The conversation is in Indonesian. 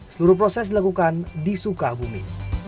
seluruh proses dilakukan di sukabumi